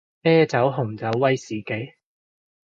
啤酒紅酒威士忌